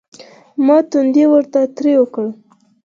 ما تندى ورته تريو کړ.